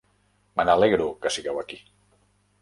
Me n'alegro que sigueu aquí.